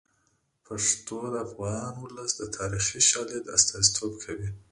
پښتو د افغان ولس د تاریخي شالید استازیتوب کوي.